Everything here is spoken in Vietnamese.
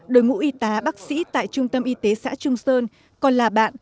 đội ngũ y tá bác sĩ tại trung tâm y tế xã trung sơn còn là bạn